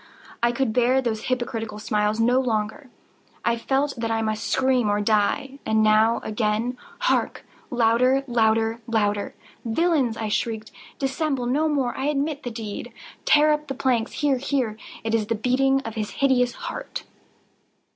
I could bear those hypocritical smiles no longer! I felt that I must scream or die! and now—again!—hark! louder! louder! louder! louder! "Villains!" I shrieked, "dissemble no more! I admit the deed!—tear up the planks!—here, here!—It is the beating of his hideous heart!"